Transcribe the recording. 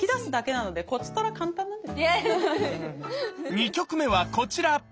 ２曲目はこちら！